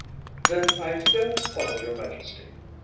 ‚ÄĚ “Then I fail to follow your Majesty.